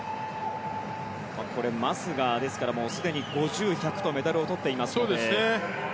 マスがすでに５０、１００とメダルをとっていますので。